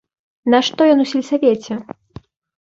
Нашто ён у сельсавеце!